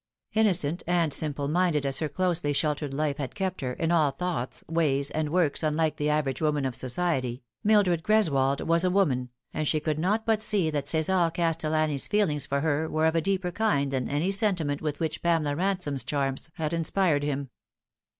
Innocent and simple minded as her closely sheltered life had 202 Th Fatal Three. kept her, in all thoughts, ways, and works unlike the average woman of society, Mildred Greswold was a woman, and she could not but see that C6sar Castellani's feelings for her were of a deeper kind than any sentiment with which Pamela Ran some's charms had inspired him.